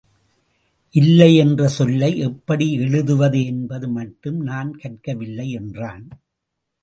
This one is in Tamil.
இல்லை என்ற சொல்லை எப்படி எழுதுவது என்பது மட்டும் நான் கற்கவில்லை என்றான்.